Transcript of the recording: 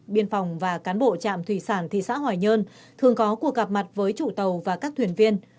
biên phòng và cán bộ trạm thủy sản thị xã hoài nhơn thường có cuộc gặp mặt với chủ tàu và các thuyền viên